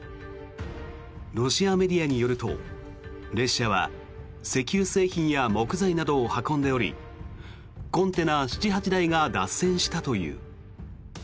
ロシアメディアによると列車は石油製品や木材などを運んでおりコンテナ７８台が脱線したという。